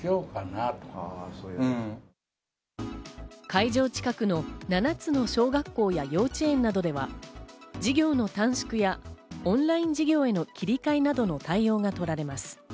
会場近くの７つの小学校や幼稚園などでは授業の短縮やオンライン授業への切り替えなどの対応が取られます。